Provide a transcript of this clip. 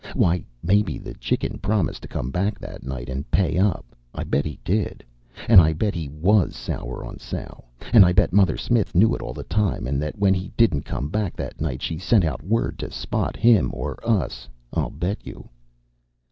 Why, maybe the Chicken promised to come back that night and pay up. I bet he did! And I bet he was sour on Sal. And I bet Mother Smith knew it all the time, and that when he didn't come back that night she sent out word to spot him or us. I bet you!"